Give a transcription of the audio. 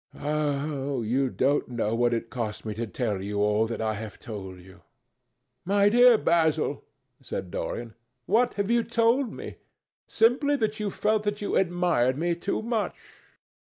Ah! you don't know what it cost me to tell you all that I have told you." "My dear Basil," said Dorian, "what have you told me? Simply that you felt that you admired me too much.